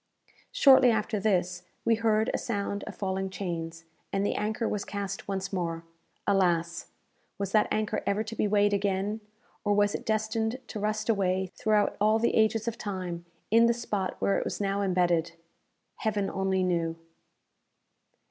Shortly after this, we heard a sound of falling chains, and the anchor was cast once more. Alas! was that anchor ever to be weighed again, or was it destined to rust away throughout all the ages of time, in the spot where it was now imbedded? Heaven only knew!